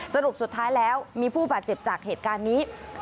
สรุปสุดท้ายแล้วมีผู้บาดเจ็บจากเหตุการณ์นี้